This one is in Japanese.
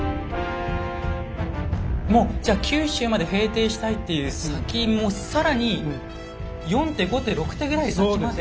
もうじゃ九州まで平定したいっていう先もう更に４手５手６手ぐらい先まで。